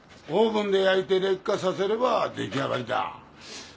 オーブンで焼いて劣化させれば出来上がりだ。